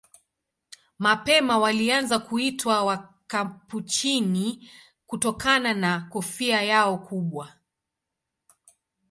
Mapema walianza kuitwa Wakapuchini kutokana na kofia yao kubwa.